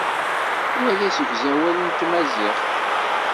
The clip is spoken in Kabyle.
Wa d asegzawal n tmaziɣt.